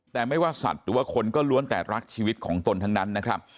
แต่ไม่ว่าสัตว์หรือว่าคนก็ล้วนแต่รักชีวิตของตนทั้งนั้นนะครับ